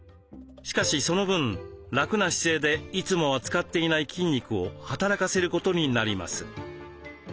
しかしその分楽な姿勢でいつもは使っていない筋肉を働かせることになります。